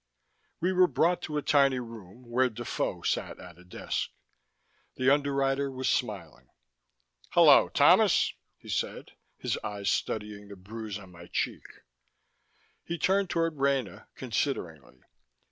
We were brought to a tiny room where Defoe sat at a desk. The Underwriter was smiling. "Hello, Thomas," he said, his eyes studying the bruise on my cheek. He turned toward Rena consideringly.